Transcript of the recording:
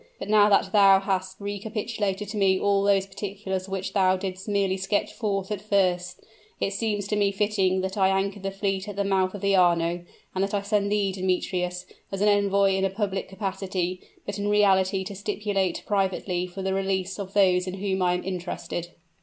But now that thou hast recapitulated to me all those particulars which thou didst merely sketch forth at first, it seems to me fitting that I anchor the fleet at the mouth of the Arno, and that I send thee, Demetrius, as an envoy in a public capacity, but in reality to stipulate privately for the release of those in whom I am interested."